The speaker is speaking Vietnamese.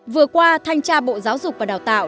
vừa qua thanh tra bộ giáo dục và đào tạo